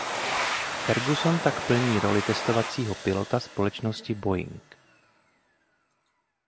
Ferguson tak plní roli testovacího pilota společnosti Boeing.